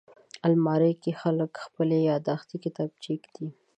الماري کې خلک خپلې یاداښتې کتابچې ایږدي